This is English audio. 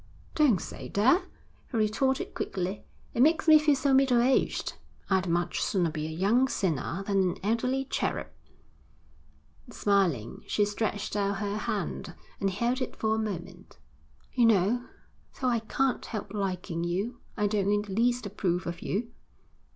'Don't say that,' he retorted quickly. 'It makes me feel so middle aged. I'd much sooner be a young sinner than an elderly cherub.' Smiling, she stretched out her hand, and he held it for a moment. 'You know, though I can't help liking you, I don't in the least approve of you.'